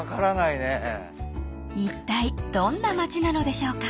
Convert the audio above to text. ［いったいどんな町なのでしょうか］